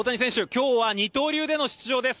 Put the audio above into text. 今日は二刀流での出場です。